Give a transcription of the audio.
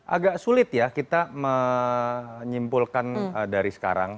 agak sulit ya kita menyimpulkan dari sekarang